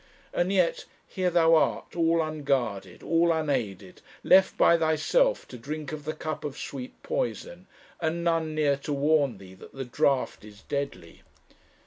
And yet here thou art all unguarded, all unaided, left by thyself to drink of the cup of sweet poison, and none near to warn thee that the draught is deadly.